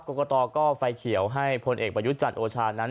กรกตก็ไฟเขียวให้พลเอกประยุทธ์จันทร์โอชานั้น